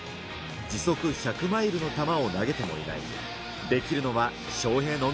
時速１００マイルの球を投げてもいない。